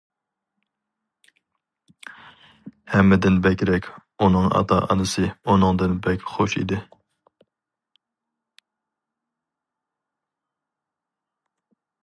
ھەممىدىن بەكرەك ئۇنىڭ ئاتا-ئانىسى ئۇنىڭدىن بەك خۇش ئىدى.